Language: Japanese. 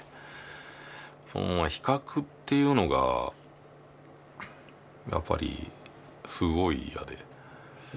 その比較っていうのがやっぱりすごい嫌で。